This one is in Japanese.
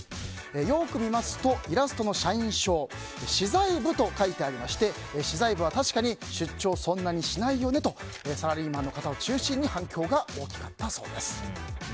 よく見ますと、イラストの社員証資材部と書いてありまして資材部は確かに出張そんなにしないよねとサラリーマンの方を中心に反響が大きかったそうです。